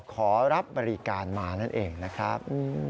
ขอรับบริการมานั่นเองนะครับ